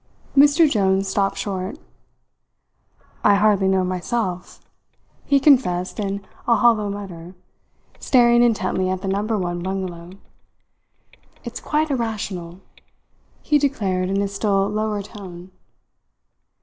Mr Jones stopped short. "I hardly know myself," he confessed in a hollow mutter, staring intently at the Number One bungalow. "It's quite irrational," he declared in a still lower tone.